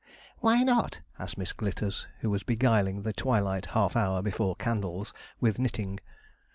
'Why not?' asked Miss Glitters, who was beguiling the twilight half hour before candles with knitting.